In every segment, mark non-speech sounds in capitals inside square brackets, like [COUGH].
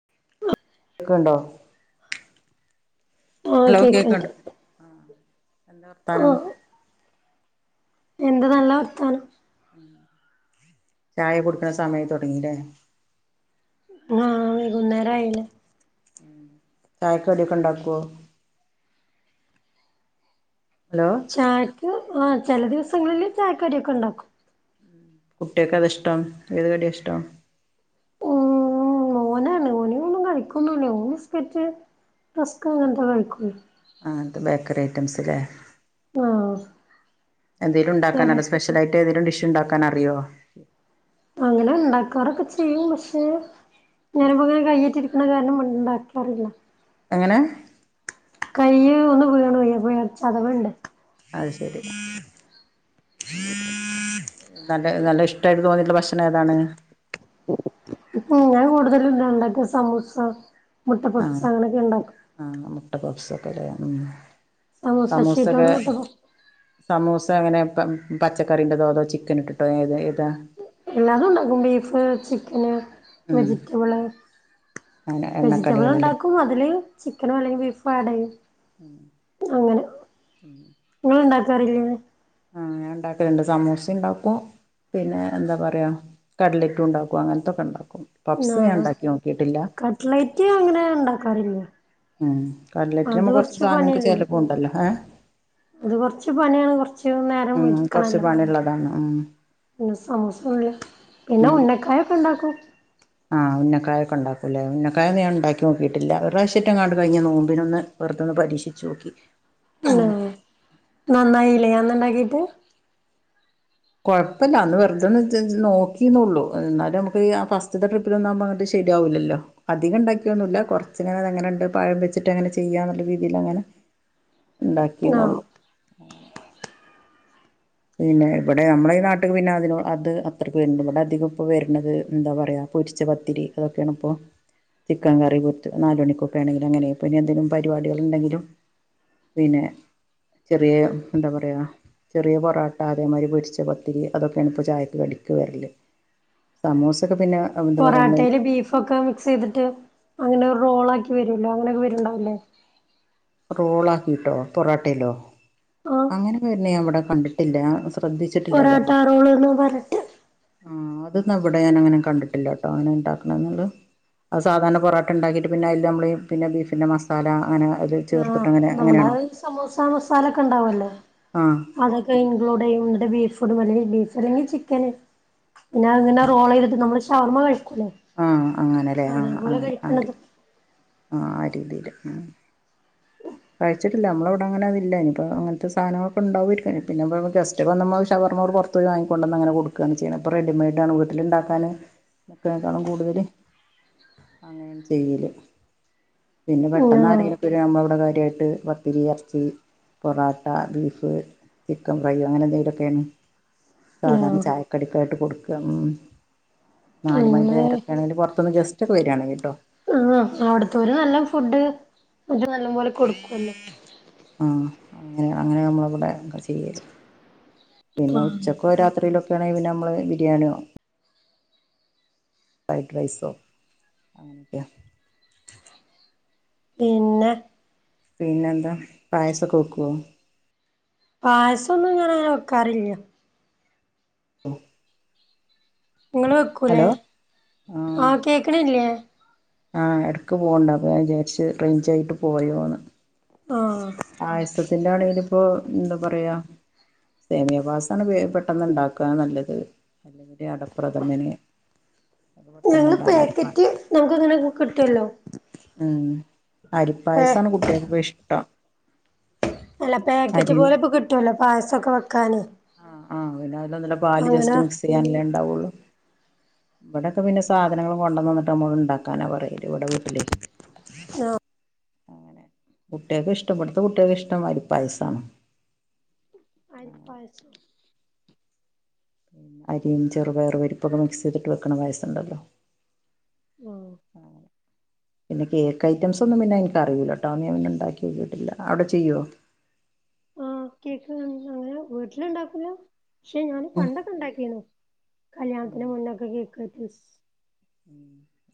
[INAUDIBLE] കേൾക്ക്ണ്ടോ? ആഹ് അലോ കേക്ക്ണ്ട് കേക്ക്ണ്ടോ? ആ എന്താ വർത്താനം. എന്ത് നല്ല വർത്താനം. ചായ കൊട്ക്കണ സമയം തൊടങ്ങീലേ? [UNINTELLIGIBLE] മുന്നേരായില്ലേ? തായക്കടിയൊക്കെ ഇണ്ടാക്കോ ഹലോ ചായക്ക് ആ ചെല ദിവസങ്ങളില് ചായകടിയൊക്കെ ഇണ്ടാക്കും കുട്ടിയക്ക് ഏതാ ഇഷ്ടം? ഏത് കടിയ ഇഷ്ടം? ഉം മോനാണ് ഓന് ഒന്നും കഴിക്കൊന്നുല്ല ഓന് ബിസ്കറ്റ് റസ്ക്ക് അങ്ങന് തൊക്കെ കഴിക്കൂ. ആ അങ്ങത്ത ബേക്കറി ഐറ്റംസ് ല്ലെ ആഹ് എന്തേലും ചെറി ഉണ്ടാക്കാനാ സ്പെഷ്യല് ലൈറ്റേതേലും ഡിഷ് ഇണ്ടാക്കാനറിയോ അങ്ങനെ ഇണ്ടാക്കാറൊക്കെ ചെയ്യും പക്ഷെ ഞാനിപ്പോങ്ങനെ കൈയിറ്റിരിക്കുന്ന കാരണം മുണ്ടാക്കാറില്ല. എങ്ങനെ കൈയ്യ് ഒന്ന് വീണ്പോയി ചതവ്ണ്ട്. അത് ശെരി നല്ല നല്ല ഇഷ്ടായിട്ട് തോന്നിയിട്ടുള്ള ഭക്ഷണം ഏതാണ്? ഉം ഞാൻ കൂടുതലും എന്താ ഇണ്ടാക്ക സമൂസ, മുട്ടപപ്സ്, അങ്ങനൊക്കെ ഇണ്ടാക്കും. ആ മുട്ടപപ്സ് ഒക്കേലെ ഉം സമൂസ സമൂസൊക്കെ ഷീറ്റോണ്ട് മുട്ട പപ്സ് സമൂസ അങ്ങനെ പ പച്ചക്കറീന്റെതോ അതോ ചിക്കൻ ഇട്ടിട്ടോ ഏത് ഏതാ എല്ലാതും ഇണ്ടാക്കും ബീഫ്, ചിക്കന് ഉം വെജിറ്റബിള് അങ്ങനെ എണ്ണക്കടികള് ല്ലേ വെജിറ്റബിളിണ്ടാക്കും പ്പ് അതില് ചിക്കനെ അല്ലെങ്കി ബീഫ് ആഡെയ്യും ഉം അങ്ങനെ ഉം ഇങ്ങള് ഇണ്ടാക്കറിയില്ലെന്ന് ആഹ് ഞാൻ ഇണ്ടാക്കല്ണ്ട് സമൂസ ഇണ്ടാക്കും പിന്നെ എന്താ പറയ്യാ കട്‌ലറ്റും ഉണ്ടാക്കും അങ്ങനത്തൊക്കെ ഇണ്ടാക്കും [UNINTELLIGIBLE] കട്ലൈറ്റ് അങ്ങനെ ഇണ്ടാക്കാറില്യാ ഉം കട്‌ലറ്റ് ഞമ്മക്ക് കൊറച്ച് സാധനങ്ങക്ക് ചെലപ്പോ ഉണ്ടല്ലോ ഹാ അത് കൊറച്ച് പണിയാണ് കൊറച്ച് നേരം ഇരിക്കണല്ലോ. [INAUDIBLE] താണ് ഉം പിന്നെ സമോസ ന്നല്ല പിന്നെ ഉന്ന ക്കായ ഒക്കെ ഉണ്ടാക്കും ആ ഉന്നക്കായൊക്കെ ഉണ്ടാക്കൂല്ലേ. ഉന്നക്കായഞാൻ ഉണ്ടാക്കി നോക്കിട്ടില്ല. ഒരു പ്രാവശ്യറ്റകാണ്ട് കഴിഞ്ഞഞനോമ്പിനൊന്ന് വെറുതൊന്ന് പരീക്ഷിചോക്കി ഊമ്.. നന്നായിലെ അന്ന്ണ്ടാക്കിട്ട് കുഴപ്പല്ല അന്ന് വെറുതൊന്ന് [INAUDIBLE] നോക്കിന്നള്ളൂ എന്നാലും നമക്ക്ആ ഫസ്റ്റ്ത്തെ ട്രപ് ന്ന [INAUDIBLE] അങ്ങട്ട് ശരിയാവൂല ല്ലൊ അധികണ്ടാക്കിയൊന്നുല്ല കുറച്ചിങ്ങനെ അതങ്ങനെണ്ട് പഴം വെച്ചിട്ട് അങ്ങനെ ചെയ്യാന്നുള്ള രീതിയിൽ അങ്ങനെ ആഹ് ഇണ്ടാക്കിന്നള്ളു പിന്നെ ഇബ്ടെ നമ്മള ഈ നാട്ടിക്ക് പിന്നെ അതിന അത് അത്രയ്ക്ക് വരുന്നുണ്ട് ഇബിടെ അധികം ഇപ്പോ വരുന്നത് എന്താ പറയാ പൊരിച്ച പത്തിരി അതൊക്കെയാണ് പ്പൊ ചിക്കൻ കറി കുത്ത് നാല് മണിക്കൊക്കെആണെങ്കിലും അങ്ങനെപ്പൊ പിന്നെന്തെങ്കിലും പരിപാടികൾ ഉണ്ടെങ്കിലും പിന്നെ.. ചെറിയ എന്ത പറയാ ചെറിയ [UNINTELLIGIBLE] പൊറാട്ട അതേമാതിരി പൊരിച്ച പത്തിരി അതൊക്കെയാണ് ഇപ്പോചായയ്ക്ക് കടിക്ക് വരല് സമോസക്കെ പിന്നെ എന്താ പറയാ നമ്മള ഇപ്പൊക്കെ മിക്സിയ്തിട്ട് അങ്ങനെ ഒരു റോൾ ആക്കി വരുല്ലോ അങ്ങനൊക്കെ വരുണ്ടാവൂല്ലേ റോൾ ആക്കിയിട്ടോ പൊറോട്ടയിലോ ആഹ് അങ്ങനൊന്നും വരുന്നഞാൻ ഇവിടെ കണ്ടിട്ടില്ല.. സ് ഒറാട്ടാ റോള്ന്നൊക്കെ പറഞ്ഞിട്ട് ആഹ് അത് ന്നാവിടെ ഞാൻ അങ്ങനെ കണ്ടിട്ടില്ലട്ടോ അങ്ങനെ ഇണ്ടാക്കണന്നുള്ള അ സാധാരണ പൊറാട്ട ഉണ്ടാക്കിയിട്ട് പിന്നെ അയില് നമ്മൾ പിന്നെ ബീഫിന്റെ മസാല അങ്ങനെ അതില് ചേർത്ത്ട്ട് അങ്ങനെങ്ങനാണോ സമോസ മസാലക്കെ ഉണ്ടാവൂല്ലേ ആ.. അതൊക്കെ ഇൻക്ലൂഡയും ഇന്നട്ട് ബീഫ് ഫുഡും അല്ലെങ്കിൽ ബീഫ് അല്ലെങ്കിൽ ചിക്കന് പിന്നെ അങ്ങനെ റോളയ്ത്ട്ട് നമ്മള് ഷവർമ്മ കഴിക്കൂല്ലേ ആഹ് അങ്ങനെല്ലേ ആഹ് അതേപോലെ അങ്ങനെ കഴിക്കണത് ആ ആ രീതിയില് കഴിച്ചിട്ടില്ല നമ്മളവിടെ അങ്ങനെ അതില്ല ഇനിപ്പോ അങ്ങനത്തെ സാധനങ്ങളൊക്കെ ഉണ്ടാവുകയാ യിരിക്കും അയിന് പിന്നെ ഗസ്റ്റ് വന്നമ്മ ശവർമ്മ ർ പുർ പോയി വാങ്ങിക്കൊണ്ടന്നങ്ങനെ കൊടുക്കാണ് ചെയ്യണെ പ്പൊ റെഡിമെയഡാണ് വീട്ടില്ണ്ടാക്കാന് [INAUDIBLE] ക്കതിനേക്കാളും കൂടുതല് അങ്ങനെയാണ് ചെയ്യല് പിന്നെ പെട്ടെന്ന് ആഹ് ആരെങ്കിലൊക്കെ വര്വനമ്മളിവിടെ കാര്യയിട്ട് തിരി ഇറച്ചി പൊറാട്ട ബീഫ് ചിക്കൻ ഫ്രൈ അങ്ങനെ എന്തെങ്കിലുംഒ ക്കെയാണ് സാധാരണ ആഹ് ചായ കടിക്കായിട്ട് കൊടുക്കുക ഊമ്. നാല് മണിന്റെ അങ്ങനെ നേരൊക്കെ ആണെങ്കിൽ പുറത്ത് നിന്ന് ജസ്‌റ്റ് ക്കെ വരികാ ണെങ്കി ട്ടോ ആ അവിടുത്തൊര് നല്ല ഫുഡ് ഇത് [INAUDIBLE] നല്ലംപോലെ കൊടുക്കുഅല്ലെ ആഹ.. അങ്ങനെഅങ്ങനെ നമ്മളവിടെ ക്കെ ചെയ്യല് പിന്നെ ഉച്ച ഇപ്പൊ രാത്രിയിലൊക്കെ ആണെങ്കിൽ പിന്നേന്നെ നമ്മൾ ബിരിയാണിയോ ഫ്രൈഡ് റൈസോ [INAUDIBLE] പിന്നെ.. പിന്നെന്താ പായസ വെക്കോ പായസന്നും ഇങ്ങനെക്കറില്ല ഉം നിങ്ങള് വെക്കൂലേ ആഹ് കേക്കണില്ലേ ആഹ് എടയ്ക്ക് പോകണ്ട അൾ ഞാൻ വിചാരിച്ച് റേഞ്ചയിട്ട് പോയന്ന് ആഹ് പായസത്തിന്റെ ആണെങ്കില ഇപ്പോ എന്താ പറയാ സേമിയ പായസാണ് പെട്ടെന്ന് ഉണ്ടാകാൻ നല്ലത് അല്ലെങ്കിൽ അടപ്രഥമന് അത് ഞങ്ങള്ൾ പെട്ടെന്നുണ്ടാക്കാം അരിപ്പാ പാക്കറ്റ് നമക്ക് ഇങ്ങനെ കിട്ടുമല്ലോ ഉം അരിപ്പായസമാണ് കുട്ടികക്കപ്പ ഇഷ്ടം അല്ല പാക്കറ്റ് അരി പോലെ ഇപ്പോ കിട്ടുവല്ലോ പായസംക്കെ വെക്കാന് ആഹ് ആഹ് പിന്നെ അതിലന്നല്ല പാല് അങ്ങനെ ജസ്റ്റ് മിക്സ് ചെയ്യാനല്ലേ ഉണ്ടാവുള്ളു ഇവിടെയക്കെന്നെ സാധനങ്ങൾ കൊണ്ടന്നിട്ട്മ്മള് ഉണ്ടാക്കാനാ പറയല് ഇവിടെ വീട്ടില് ആഹ് കുട്ടികൾക്ക് ഇഷ്ടം ഇവിടെത്തെ കുട്ടികൾക്ക് ഇഷ്ട പായസാണ് പായസം അരിയും ചെറുപയറുപരിപ്പൊക്കെ മിസ് ചെയ്തിട്ട് വെക്കണ പായസുണ്ടല്ലോ. ഉം പിന്നെ കേക്ക് ഐറ്റം ഒന്നും പിന്നെ എനിക്കറിയില്ലട്ടോ ഞാ പിന്നെ ഉണ്ടാക്കിോക്കിയിട്ടില്ല അവിടെ ചെയ്യുമോ ഉം കേക്ക് അങ്ങനെ വീട്ടില ഇണ്ടാക്കല പക്ഷെ ഞൻ ഉം പണ്ടൊക്കെ ഉണ്ടാക്കി നു ഉം കല്യാണത്തിന്റെ മുന്നൊക്കെ കേക്ക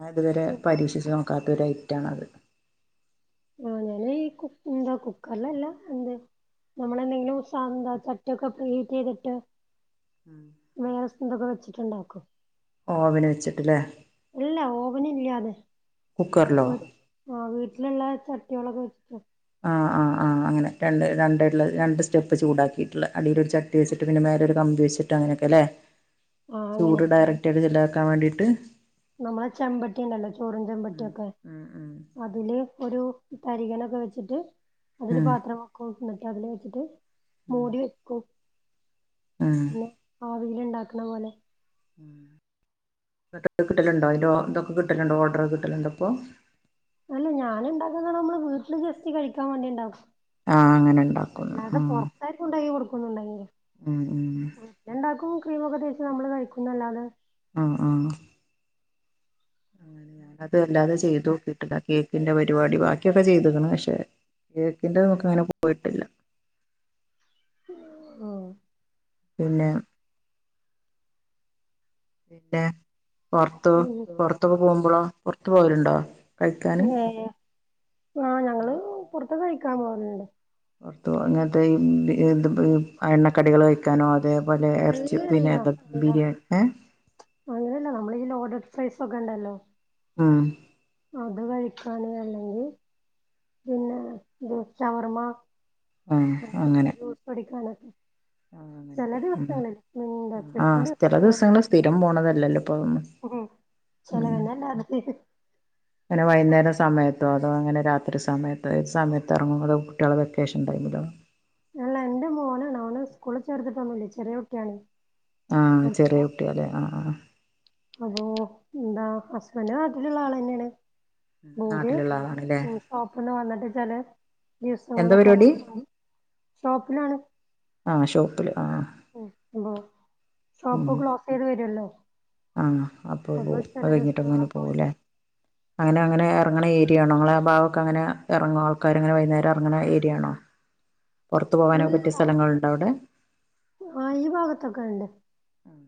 ഞാൻ അതുവരെ പരീക്ഷിച്ച് നോക്കാത്ത ഒരു ഐറ്റ ആണത് ആഹ് ഞാന ഈ കു എന്താ കുക്കറല്ലല്ല എന്ത നമ്മളെന്തെങ്കിലും ഉ എന്താ ചറ്റൊക്കെ പ്രീ ഹീറ്റ് ചെയ്തിട്ട് ഉം വേറെ സ്ന്തൊക്കെ വെച്ചിട്ടുണ്ടാക്കും ഓവന് വെച്ചിട്ടില്ലേ ഇല്ല ഓവന ഇല്ലാതെ കുക്കറിലോ ആഹ് വീട്ടിലുള്ള ചട്ടികളൊക്കെ വെച്ചിട്ട ആഹ് ആഹ് ആഹ് അങ്ങനെ രണ്ട് രണ്ടായിട്ടുള്ള രണ്ട് സ്റ്റെപ്പ് ചൂടാക്കി അടിൽ ഒരു ചട്ടി വെച്ചിട്ട് പിന്നെ മേലരു കമ്പി വെച്ചിട്ട് അനൊക്കെ അല്ലെ ആഹ് അങ്ങനെ ചൂട് ഡയറക്റ്റ് ആയിട്ട് ചെലവാക്കാൻ വേണ്ടിയിട്ട് നമ്മളെ ചെമ്പട്ടി ഉണ്ടല്ലോ ചോറും ഉം ചെമ്പട്ടിയൊക്കെ ഉം ഉം അതില് ഒരു തരികനൊക്കെ വെച്ചിട്ട് അതില് ഉം പാത്ര വെക്കും എന്നിട്ട് അതില് വെച്ചിട്ട് ഉം മൂടി വെക്കും ഉം പിന്നെ ആവിൽ ഉണ്ടാക്കണ പോലെ ഉം കിട്ടലുണ്ടോ അതിന്റെ ഇതൊക്കെ കിട്ടലുണ്ടോ ഓർഡർ കിട്ടലണ്ടോ അപ്പോ അല്ല ഞാന ഉണ്ടാക്കത നമ്മള് വീട്ടില് ജസ്റ്റ് കഴിക്കാൻ വേണ്ടി ഉണ്ടാവും ആഹ് അങ്ങനെ ഉണ്ടാക്കുന്നു അതണ്ടാക്കി കൊടുക്കുന്നുണ്ടങ്കില് ഉം ഉം വ ഉണ്ടാക്കും ക്രീമൊക്കെ തേച്ച് നമ്മള് കഴിക്കുന്നല്ലാെ ആഹ് ആഹ് അത് അല്ലാതെ ചെയ്തു കിട്ടില്ല കേക്കിന്റെ പരിപാടി ബാക്കിയൊക്കെ ചെയ്തുക്കണ് പക്ഷെ കേക്ക് ന്റെത് നമുക്ക് അങ്ങനെ പോയിട്ടില്ല ഉം പിന്നെ പിന്നെ പുറത്ത് പുറത്തൊക്കെ പോകുമ്പോളാ പുറത്ത പോവലുണ്ടോ കഴിക്കാന് ആഹ് ഹലോ ഞങ്ങള് പുറത്ത് കഴിക്കാൻ പോകുന്നുണ്ട് പുറത്തു അങ്ങനത്തെ ഈ ഇ എണ്ണക്കടികള ചിക്കനോ അതേപോലെ ഇറച്ചി അല്ലല്ല പിന്നെതൊ അല്ല ബിരിയാണി ഏ- അങ്ങനെയല്ല നമ്മളലോഡാഡ് പ്രൈസ ഒക്കെ ഉണ്ടല്ലോ ആം അത് കഴിക്കാന അല്ലെങ്കിൽ പിന്നെ ഗ്രൂപ്പ് ശവർമ്മ അങ്ങനെ ജൂസ് പൊടിക്കണക്കെ ചില ര് ഉ ആഹ് ചില ദിവസങ്ങള്ൾ സ്ഥിരം പോണതല്ലല്ലോ ഇപ്പഅതൊന്നും ഉ ചലവന്നല്ല അത് അങ്ങനെ വൈകേര സമയത്തോ അതോ അങ്ങനെ രാത്രി ഒത്തിരി സമയത്ത് ഒരു സമയത്ത് ഇറങ്ങും കുട്ടികളെ വെക്കേഷൻ ടൈമില അല്ല എന്റെ മോനാണ് അവന് സ്കൂളിൽ ചേർത്തിട്ട്ന്നില്ലേ ചെറിയ കുട്ടിയാണ് ആഹ അപ്പൊ ചെറിയ കുട്ടിയല്ലെ ആ ആ് അപ്പൊ എന്താ ഹസ്ബൻഡ നാട്ടിലുള്ള ആള് തന്നെയാണ് ഓര് നാട്ടിലുള്ള ആളാണല്ലേ ഉം ഷോപ്പിന്ന് വന്നിട്ട് ചില എന്താ ദിവസങ്ങളൊക്കെ പരിപാടി അങ്ങനെ പോയി ഷോപ്പിലാണ് ആഹ ഷോപ്പില് ആ അ ഷോപ്പ് ക്ലോസ് ചെയ്ത് വരുല്ലോ ആഹ അപ്പ പോ കഴിഞ്ഞിട്ട്ങ്ങനെ ദിവസങ്ങളിലൊക്കെ പോകൂല്ലേ വിളിക്കും അങ്ങനെ അങ്ങനെ ഇറങ്ങു ന്ന ഏരി- ഏരിയാണോ നിങ്ങളെ ഭാാവൊക്കെ ട്ടി ട്ടി അണ്ണോ അങ്ങനെ ഇറങ്ങോ ആൾക്കാര് അങ്ങന വൈകുന്നരം ഇറങ്ങ ഏരിയാണോ പുറത്തു പോകാനൊക്കെ പറ്റിയ അല്ല സ്ഥലങ്ങളുണ്ട് അവിടെ ആ ഈ ഭാഗത്തൊക്കെ ഉണ്ട് ആഹ്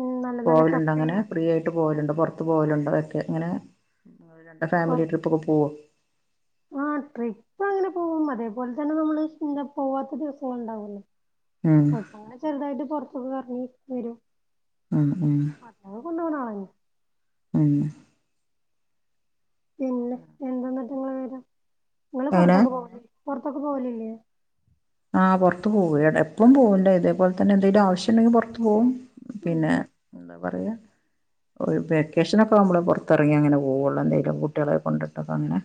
ഉം നല്ല നല്ല പോവലുണ്ട് കഫേ അങ്ങനെ ഫ്രീ ആയിട്ട് പോവലുണ്ട് പുറത്ത് പോവലുണ്ട് അതൊക്കെ ഇങ്ങനെ രണ്ട് ഫാമിലി ട്രിപ്പക്കെ പോുമോ ആഹ ട്രിപ്പ് അങ്ങനെ പോകും അതേപോലെ തന്നെ നമ്മള്ന്ത പോവാത്ത ദിവസങ്ങള ഉണ്ടാവല്ലോ ഉം അപ്പ അങ്ങനെ ചെറുതായിട്ട് പുൊറത്തൊക്കെ കറങ്ങി വരും അ അ അ കു കൊണ് ബണാ ഏ പിന്നെ എന്തന്നിട്ട് നിങ്ങള് വിവരം നിങ്ങള് എങ്ങനെ പുറത്തൊക്ക പോ പുൊറത്തക്കെ പോവലല്ലേ ആഹ് പുറത്തു പോക്കും എപ്പം പോകൂല ഇതേപോലെ തന്നെ എന്തെങ്കലും ആവശ്യം ഉണ്ടെങ്കിൽ പുറത്തു പോകും പിന്നെ ആഹ് എന്ത പറയാ ഒരു വെക്കേഷനൊക്കെ നമ്മൾ പുറത്തിറങ്ങിങ്ങെ പോവയുള്ളൂ എന്തെങ്കിലും കുട്ടികളെ കൊണ്ടിട്ടൊക്കെ അങ്ങനെ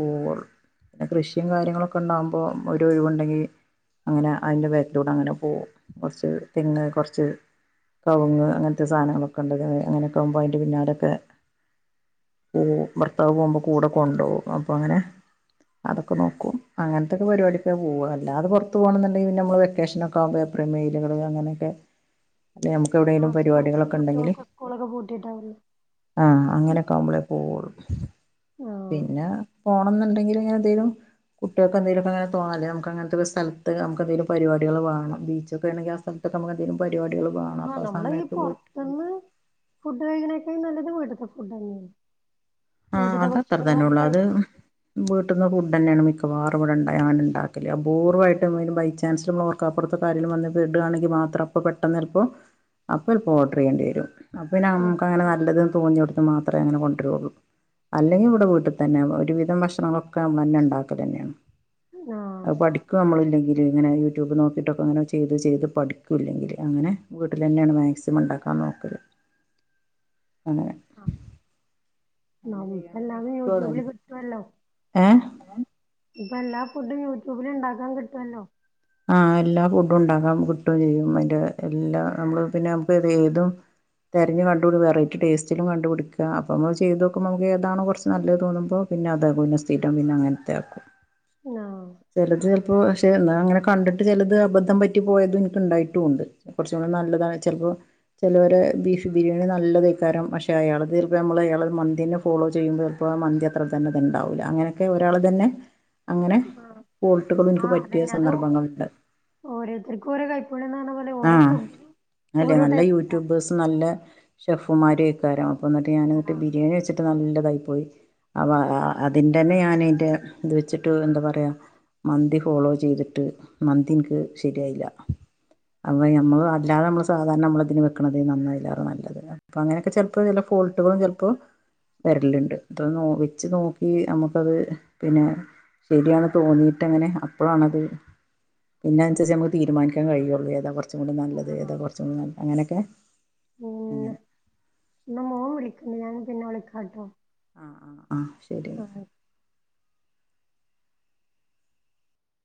പോവുള്ളൂ പിന്നെ കൃഷിയും കാര്യങ്ങളൊക്കെ ഉണ്ടാാവകുമ്പോൾ ഒരു ഒഴിവുണ്ടെങ്കിൽ അങ്ങനെ അതിൻ്റെ വേഗത്തിലിലൂടെ അങ്ങനെ പോകും കുറച്ച് തെങ്ങ് കുറച്ച് കവങ്ങ് അങ്ങനത്തെ സാധനങ്ങളൊക്കെ ഉണ്ട്ത് അങ്ങനെയൊക്കെകുമ്പോ അതിൻ്റെ പിന്നാടൊക്കെ പോവും ഭർത്താവ് പോകുമ്പോ കൂടെ കൊണ്ടുകും അപ്പൊ അങ്ങനെ അതൊക്കെ നോക്കും അങ്ങനത്തെൊക്കെ പരിപാടൊക്കെ പോവല്ലോ അല്ലാതെ പുറത്തു പോകണ എന്നുണ്ടെങ്കിൽ നമ്മ വെക്കേഷന ഒക്കെുമ്പോ ഏപ്രിൽ മെയ്‌ അങ്ങനൊക്കെ ആ്കൂ കുട്ടികൾക്ക് സ്കൂളൊക്കെ പോട്ടിട്ടാവില്ല ആ അങ്ങനെയൊക്കെ ആവുമ്പോളേ പോളൂ ആഹ് പിന്നെ പോണംന്നിണ്ടെങ്കിൽ അങ്ങനെന്തങ്കും കുട്ടികൾെ എന്തെങ്കുംക്ക അങ്ങനെ തോാ അേ നമുങ്ങനെ മൊ സ്ഥല നമു എതെകിലും പരിപാിക വണം ബീച്ചക്കെണെങ്കിൽ ആ സ്ഥലത്ത് നമുക്ക്എന്ടെ കിലും പരിപാടികും വാണം അപ്പ സമയത്ത് പോയി തന്നെ ഫുഡ് കഴിക്കുന്നൊക്കെ നല്ലത് വീട്ടില് ഫുഡ് തങ്ങെയാണ് വീട്ടില്ത്തെ ഭക്ഷണം കഴ വീട്ടുന്ന ഫുഡ് തന്നെയാണ് മിക്കവാും ഇവിടെണ്ട അങ്ങന ഉണ്ടാക്കില്ലേ അപൂർവ്വമായിട്ട ബൈചാൻസ്മ്മ അപ്പുറത്തെ കാര്യും വന്നപ്പോ ഇടുകയാണെങ്കിൽ മാത്രം അപ്പ പെട്ടെന്ന് ചിലപ്പോൾപ്പ എപ്പോൾ ഓർഡർ ചെയ്യേണ്ടി വരും അ പിന്നെ ആഹ് നമുക്ക് അങ്ങന നല്ലതെന്ന് തോന്നി കൊടുത്തത്ത് മാത്രമേ അങ്ങനെ കൊണ്ടുവരികയുള്ളൂ അല്ലെങ്കിൽ ഇവിടെ വീട്ടിൽ തന്നെ ഒരുവിധം ഭക്ഷണങ്ങളൊക്കെ നമ്മൾ തന്നെ ഉണ്ടാക്കുക തന്നെയാണ് ആഹ് പഠിക്ക ഇപ്പം നമ്മളല്ലെങ്കിൽ ഇങ്ങനെ യൂട്യൂബ് നോക്കിയിട്ടൊക്കെ അങ്ങനെ ചെയ്ത് ചെയ്ത് പഠിക്കൂല്ലെങ്കിൽ അങ്ങനെ വീട്ടിൽ തന്നെയാണ് മാക്സിമം ഉണ്ടാക്കാൻ നോക്കൽ അങ്ങനെ അങ്ങനെ നമ്മക്ക് ചെയ്യാനന്നെ എല്ലാ ഇഷ്ടം യൂട്യൂബില് അതന്നെ കിട്ടുവല്ലോ ഏഹ് ഇപ്പൊ എല്ലാ ഫുഡും യൂട്യൂബില ഉണ്ടാക്കാൻ കിട്ടുമല്ലോ ആഹ് എല്ലാ ഫുഡുണ്ടാക്കാൻ കിട്ടും ചെയ്യും അയിന്റെ എല്ലാ നമ്മള് പിന്നെ നമുക്കതേതും തതിഞ്ഞ് കണ്ടപടടി വെറൈറ്റി ടേസ്റ്റും കണ്ടു പിടിക്കുക അപ്പംത് ചെയ് നോക്കുമ നമക്ക്താണോ കുറച്ച് നല്ലത് തോന്ന്പോൾ പിന്നെ അത പിന്നെ സ്രം പിന്നെ അങ്ങനത്തെ ആക്കും ആഹ് ചിലത് ചിലപ്പോ പക്ഷെ അങ്ങനെ കണ്ടിട്ട് ചിലത് അബദ്ധം പറ്റി പോയതും എനിക്ക് ഉണ്ടായിട്ടുംണ്ട് കുറച്ച കൂടെ നല്ലതാണ് ചിലപ്പോ ചിലവരെ ബീഫ് ബിരിയാണി നല്ലതേക്കാരം പക്ഷെ അയാൾ തീർപ്പ നമ്മൾ അയാള മന്തി തന്നെ ഫോളോ ചെയ്യുമ്പോ മന്തി അത്ര തന്നെ അത് ഉണ്ടാവൂല അങ്ങനെയൊക്കെ ഒരാൾ തന്നെ അങ്ങനെ ആഹ് ഫോൾട്ടുകളൾ എനിക്ക് ആഹ് പറ്റിയ അതന്നെ അത് സന്ദർഭം പൊങ്ങും വിസ്‌ല് ഓരോരുത്തർക്കും ഓരോ കൈപ്പുണ്യന്ന് പറഞ്ഞ പോലെ ഓരോ ആഹ് ഫുഡിനും അല്ല ഓരോ നല്ല യൂ ടേസ്റ്റാ റ്റുബേഴ്‌സ് നല്ല ഷെഫുമാരൊയ്ക്കാരം അപ്പോന്നിട്ട് ഞാൻന്ന്ട്ട് ആഹ് ബിര്‌യേണ്യച്ച് ട്ട് നല്ലതായി പോയി അപ്പോ അതിന്റെന്നെ ഞാനയ്ന്റെ ഇതെച്ചിട്ട് എന്താ പറയാ? മന്തി ഫോളോ ചെയ്തിട്ട് മന്തിൻക്ക് ശരിയായില്ല. അപ്പോ നമ്മൾ അല്ലാതെ നമ്മള് സാധാരണ നമ്മളതിന് വെക്കണതെയ്ന് അയ്ലാറെ നല്ലത് അപ്പൊ അങ്ങനൊക്കെ ചെൽപോ വര്ണ ഫോൾട്ടുകളും ചെൽപ്പോ വര്ലുണ്ട് ഇതൊന്ന് വെച്ച് നോക്കി നമുക്കത് പിന്നെ ശരിയാണ് തോന്നിയിട്ടങ്ങനെ അപ്പളാണത് പിന്നനുസരിച്ച് നമുക്ക് തീരുമാനിക്കാൻ കഴിയൊള്ളൂ ഏതാ കൊറച്ചും കൂടി നല്ലത് ഏതാ ആഹ് കൊറച്ചും കൂടി നല്ല അങ്ങനൊക്കെ. അങ്ങനെ ഇന്നെ മോൻ വിളിക്ക്ണ്ട് ഞാൻ പിന്നെ വിളിക്കാട്ടോ. ആഹ് ആഹ് ആ ശരി ന്നാ ആഹ്